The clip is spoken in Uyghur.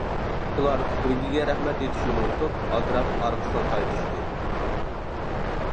ئۇلار سۈپۈرگىگە رەھمەت ئېيتىشنىمۇ ئۇنتۇپ ئالدىراپ ئارقىسىغا قايتىشتى.